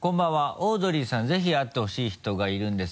「オードリーさん、ぜひ会ってほしい人がいるんです。」